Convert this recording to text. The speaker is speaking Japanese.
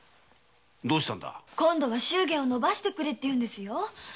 どうしたんだ？今度の祝言を延ばしてくれって言うんですよ。